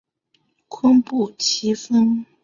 坤布崎峰